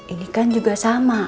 ini kan juga sama